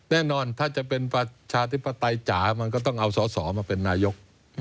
แน่นอนถ้าจะเป็นประชาธิปไตยจ๋ามันก็ต้องเอาสอสอมาเป็นนายก